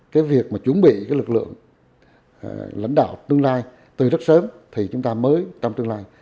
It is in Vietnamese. cái việc mà chuẩn bị cái lực lượng lãnh đạo tương lai từ rất sớm thì chúng ta mới trong tương lai